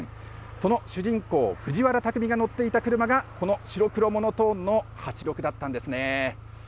その主人公、藤原タクミが乗っていた車がこの白黒モノトーンのハチロクだったんですね。